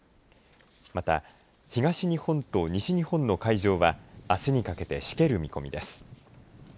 また東日本と西日本の海上はあすにかけてしける見込みです。